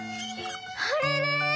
あれれ？